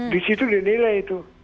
di situ dinilai itu